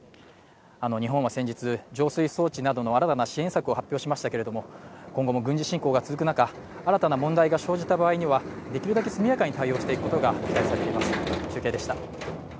日本は先日、浄水装置などの新たな支援策を発表しましたけれども、今後も軍事侵攻が続く中、新たな問題が生じた場合にはできるだけ速やかに対応していくことが期待されています。